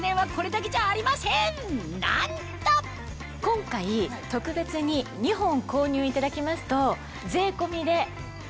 なんと今回特別に２本購入いただきますと。